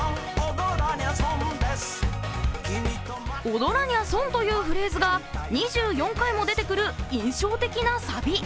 「踊らにゃ損」というフレーズが２４回も出てくる印象的なサビ。